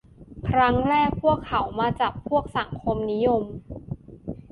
ครั้งแรก พวกเขามาจับพวกสังคมนิยม